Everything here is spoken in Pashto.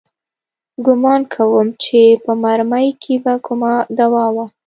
ګومان کوم چې په مرمۍ کښې به کومه دوا وه.